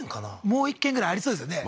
もう一軒ぐらいありそうですよね